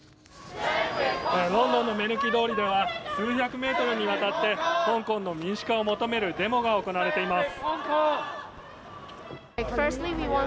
ロンドンの目抜き通りでは数百メートルにわたって香港の民主化を求めるデモが行われています。